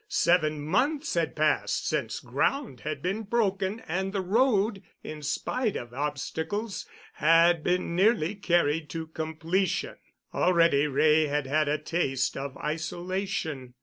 Seven months had passed since ground had been broken and the road, in spite of obstacles, had been nearly carried to completion. Already Wray had had a taste of isolation.